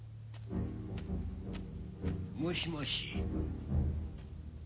もしもし。